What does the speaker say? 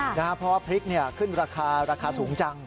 เพราะว่าพริกขึ้นราคาราคาสูงจัง